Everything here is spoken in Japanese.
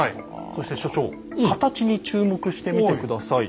そして所長形に注目して見て下さい。